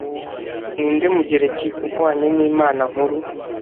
Ninde Mugereki uhwanye na Imana nkuru